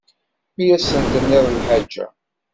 Mi as-tenniḍ lḥaǧa.